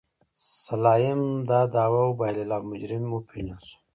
سلایم دا دعوه وبایلله او مجرم وپېژندل شو.